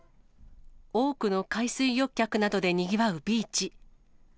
多くの海水浴客などでにぎわうビーチ。